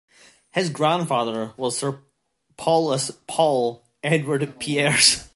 His grandfather was Sir Paulus "Paul" Edward Pieris.